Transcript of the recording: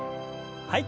はい。